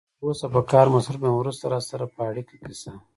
زه لا تر اوسه په کار مصروف یم، وروسته راسره په اړیکه کې شه.